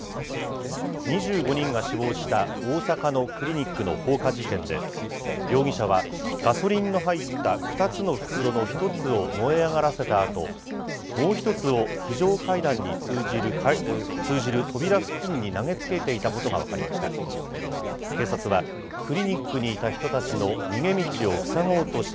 ２５人が死亡した大阪のクリニックの放火事件で、容疑者は、ガソリンの入った２つの袋の１つを燃え上がらせたあと、もう１つを非常階段に通じる扉付近に投げつけていたことが分かりました。